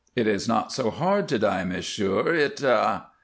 It is not so hard to die, monsieur, it Ah h!"